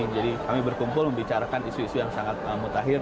jadi kami berkumpul membicarakan isu isu yang sangat mutakhir